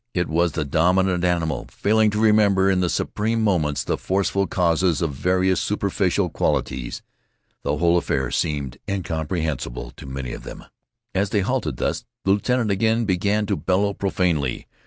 It was the dominant animal failing to remember in the supreme moments the forceful causes of various superficial qualities. The whole affair seemed incomprehensible to many of them. As they halted thus the lieutenant again began to bellow profanely.